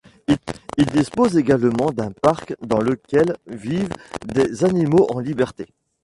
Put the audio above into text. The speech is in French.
Il dispose également d'un parc dans lequel vivent des animaux en liberté.